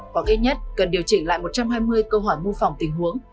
có ghét nhất cần điều chỉnh lại một trăm hai mươi câu hỏi mô phỏng tình huống